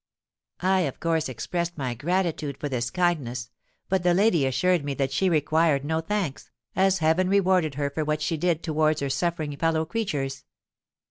'—I of course expressed my gratitude for this kindness; but the lady assured me that she required no thanks, as heaven rewarded her for what she did towards her suffering fellow creatures.